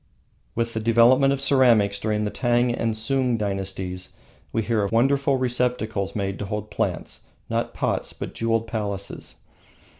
With the development of ceramics during the Tang and Sung dynasties we hear of wonderful receptacles made to hold plants, not pots, but jewelled palaces.